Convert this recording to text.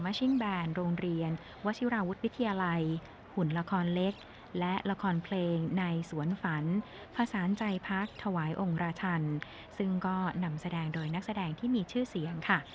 วิทยาลัยหุ่นละครเล็กและละครเพลงในสวนฝันภาษาใจพักษ์ถวายองค์ราชันซึ่งก็นำแสดงโดยนักแสดงที่มีชื่อเสียงค่ะ